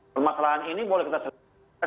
permasalahan ini boleh kita selesaikan